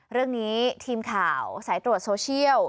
เรื่องนี้ทีมข่าวสายตรวจโซเชียล